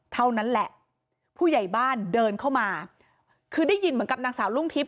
เท่านั้นแหละผู้ใหญ่บ้านเดินเข้ามาคือได้ยินเหมือนกับนางสาวรุ่งทิพย